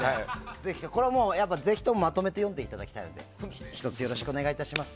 ぜひともこれはまとめて読んでいただきたいので一つ、よろしくお願いします。